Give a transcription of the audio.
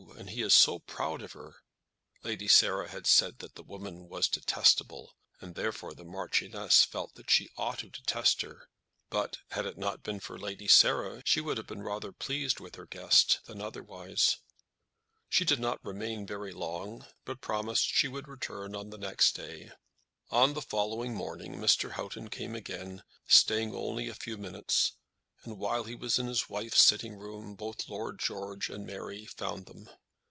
And he is so proud of her!" Lady Sarah had said that the woman was detestable, and therefore the Marchioness felt that she ought to detest her. But, had it not been for Lady Sarah, she would have been rather pleased with her guest than otherwise. She did not remain very long, but promised that she would return on the next day. On the following morning Mr. Houghton came again, staying only a few minutes; and while he was in his wife's sitting room, both Lord George and Mary found them.